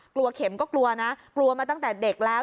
เข็มก็กลัวนะกลัวมาตั้งแต่เด็กแล้ว